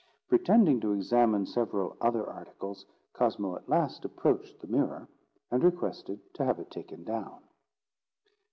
Pretending to examine several other articles, Cosmo at last approached the mirror, and requested to have it taken down.